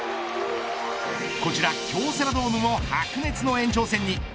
こちら京セラドームも白熱の延長戦に。